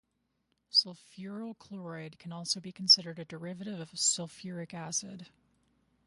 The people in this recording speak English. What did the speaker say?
Sulfuryl chloride can also be considered a derivative of sulfuric acid.